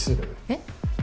えっ？